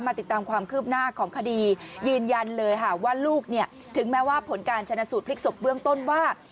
ติดตามความคืบหน้าของคดียืนยันเลยค่ะว่าลูกเนี่ยถึงแม้ว่าผลการชนะสูตรพลิกศพเบื้องต้นว่า